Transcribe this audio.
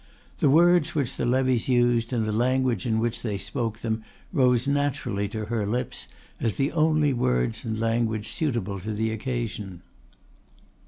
The words which the levies used and the language in which they spoke them rose naturally to her lips, as the only words and language suitable to the occasion.